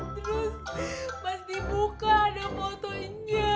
terus pas dibuka ada fotonya